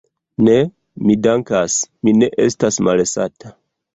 Ne, mi dankas, mi ne estas malsata.